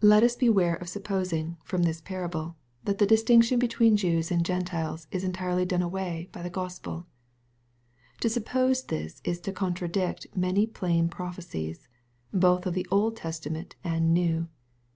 Let us beware of supposing, from this parable, that the distinction between Jews and Gentiles is entirely done away by the Gospel. To suppose this is to contradict many plain prophecies, both of the Old Testament and New.